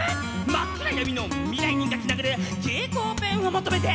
「真っ暗闇の未来に描き殴る蛍光ペンを求めて」